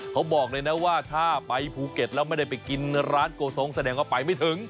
เขาบอกเลยนะว่าถ้าไปภูเก็ตแล้วไม่ได้ไปกินร้านโกสงแสดงว่าไปไม่ถึง